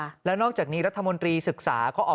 กรุงเทพฯมหานครทำไปแล้วนะครับ